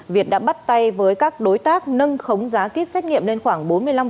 việt đã bắt tay với các đối tác nâng khống giá kýt xét nghiệm lên khoảng bốn mươi năm